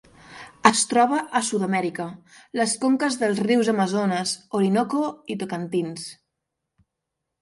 Es troba a Sud-amèrica: les conques dels rius Amazones, Orinoco i Tocantins.